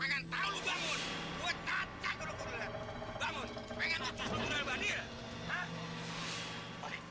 gak ada perawan lagi